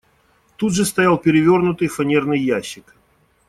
Тут же стоял перевернутый фанерный ящик.